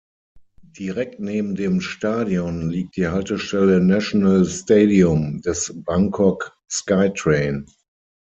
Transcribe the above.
Direkt neben dem Stadion liegt die Haltestelle „National Stadium“ des Bangkok Skytrain.